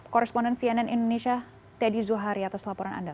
koresponden cnn indonesia teddy zuhari atas laporan anda